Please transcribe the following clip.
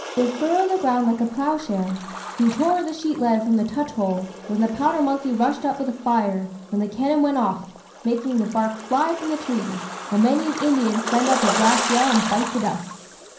It furrowed the ground like a ploughshare. He tore the sheet lead from the touch hole; then the powder monkey rushed up with the fire, when the cannon went off, making the bark fly from the trees, and many an Indian send up his last yell and bite the dust."